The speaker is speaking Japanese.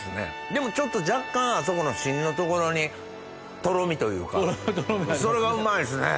でもちょっと若干あそこのしんの所にとろみというかそれがうまいですね。